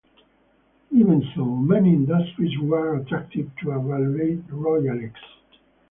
Even so, many industries were attracted to evaluate Royalex.